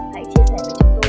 hãy chia sẻ với chúng tôi